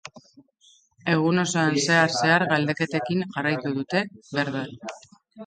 Egun osoan zehar zehar galdeketekin jarraitu dute bertan.